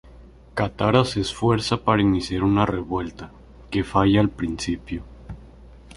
Katara se esfuerza para iniciar una revuelta, que falla al principio.